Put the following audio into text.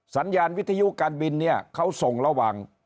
สัญญาณวิทยุการบินเนี่ยเขาส่งระหว่าง